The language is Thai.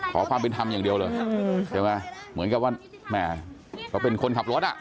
ขอความเป็นธรรมอย่างเดียวเลยเหมือนกับว่าแม่เราเป็นคนขับรถ